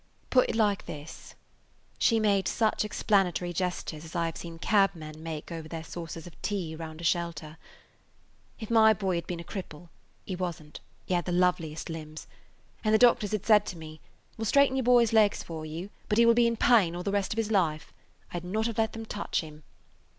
"Put it like this." She made such explanatory gestures as I have seen cabmen make over their saucers of tea round a shelter. "If my boy had been a cripple,–he wasn't; he had the loveliest limbs,– [Page 176] and the doctors had said to me, 'We 'll straighten your boy's legs for you, but he will be in pain all the rest of his life,' I 'd not have let them touch him.